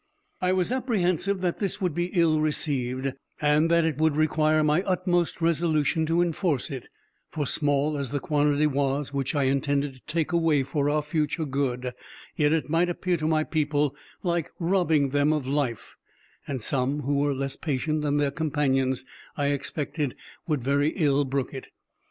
I was apprehensive that this would be ill received, and that it would require my utmost resolution to enforce it; for small as the quantity was which I intended to take away for our future good, yet it might appear to my people like robbing them of life; and some, who were less patient than their companions, I expected would very ill brook it.